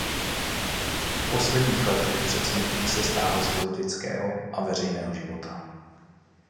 V posledních letech před smrtí se stáhl z politického a veřejného života.